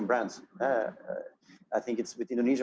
abc adalah perusahaan indonesia